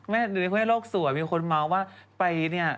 มีคนม้าวว่าไปเนี่ย